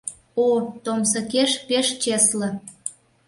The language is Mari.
— О, томсыкеш пеш чесле!